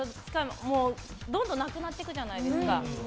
だから、どんどんなくなっていくじゃないですか。